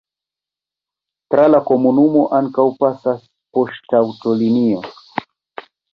Tra la komunumo ankaŭ pasas poŝtaŭtolinio.